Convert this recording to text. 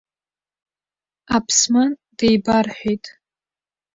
Аԥсман деибарҳәеит.